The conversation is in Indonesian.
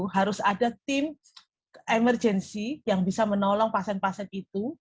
harus ada tim emergency yang bisa menolong pasien pasien itu